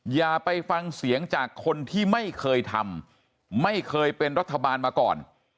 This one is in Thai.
อย่าไปฟังเสียงจากคนที่ไม่เคยทำไม่เคยเป็นรัฐบาลมาก่อน